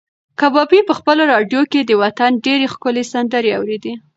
کبابي په خپله راډیو کې د وطن ډېرې ښکلې سندرې اورېدې.